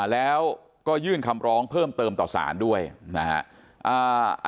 แล้วก็ยื่นคำร้องเพิ่มเติมต่อสารด้วยนะฮะ